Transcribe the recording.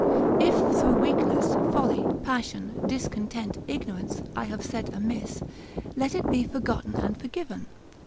If through weakness, folly, passion, discontent, ignorance, I have said amiss, let it be forgotten and forgiven.